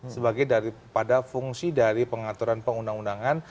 sebagai daripada fungsi dari pengaturan pengundang undangan